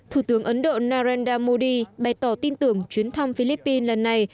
thủ tướng ấn độ narendra modi bày tỏ tin tưởng chuyến thăm philippines lần này